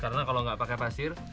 karena kalau tidak pakai pasir